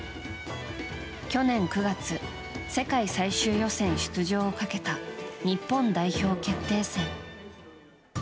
去年９月世界最終予選出場をかけた日本代表決定戦。